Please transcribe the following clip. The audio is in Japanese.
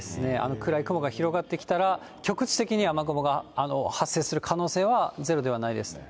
暗い雲が広がってきたら、局地的に雨雲が発生する可能性はゼロではないです。